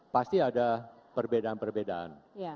pasti ada perbedaan perbedaan